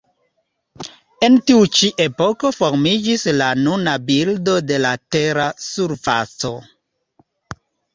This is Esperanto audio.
En tiu ĉi epoko formiĝis la nuna bildo de la Tera surfaco.